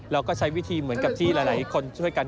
เราก็ใช้วิธีเหมือนกับที่หลายคนช่วยกัน